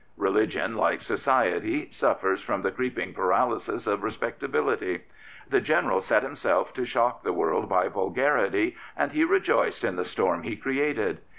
Religion, like society, suffers from the creeping paralysis of respectability. The General set himself to shock the world by vulgarity, and he rejoiced in the storm he created.